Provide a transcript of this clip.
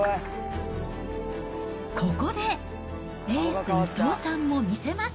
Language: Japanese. ここでエース、伊藤さんも見せます。